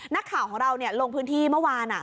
นักข่าวของเราลงพื้นที่เมื่อวาน